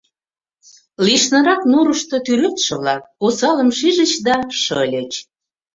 Лишнырак нурышто тӱредше-влак осалым шижыч да шыльыч.